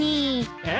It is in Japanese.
えっ！？